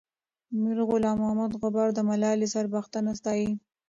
میرغلام محمد غبار د ملالۍ سرښندنه ستايي.